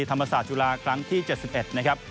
ธรรมศาสตร์จุฬาครั้งที่๗๑นะครับ